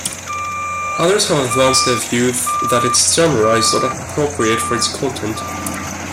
Others have advanced the view that its genre is not appropriate for its content.